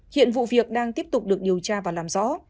hiện vụ việc đang tiếp tục được điều tra và làm rõ